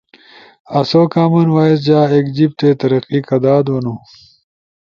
آسو کامن وائس جا ایک جیِب تے ترقی کدا دونو؟